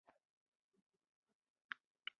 该市的干线网络大部分是由双线道路组成。